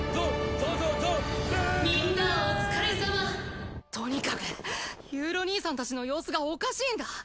みんなお疲れさまとにかくユウロ兄さんたちの様子がおかしいんだ！